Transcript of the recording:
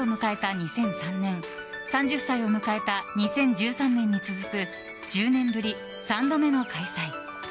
２００３年３０歳を迎えた２０１３年に続く１０年ぶり３度目の開催。